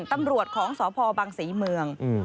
ตำรวจของสพบังศรีเมือง